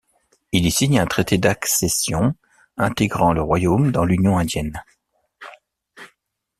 Il y signe un traité d'accession, intégrant le royaume dans l'Union indienne.